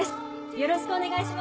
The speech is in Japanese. よろしくお願いします。